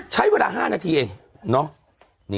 ใช้เวลา๕นาทีเองน้อง